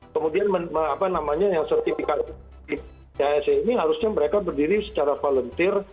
kemudian yang sertifikat cisi ini harusnya mereka berdiri secara volunteer